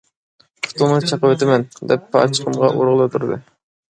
پۇتۇڭنى چېقىۋېتىمەن، -دەپ پاچىقىمغا ئۇرغىلى تۇردى.